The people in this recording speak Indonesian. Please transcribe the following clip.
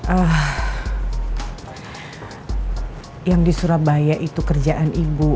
ah yang di surabaya itu kerjaan ibu